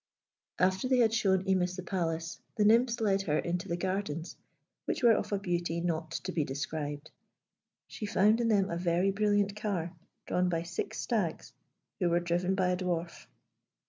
After they had shown Imis the Palace, the nymphs led her into the gardens, which were of a beauty not to be described. She found in them a very brilliant car, drawn by six stags, who were driven by a dwarf.